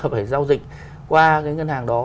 phải giao dịch qua cái ngân hàng đó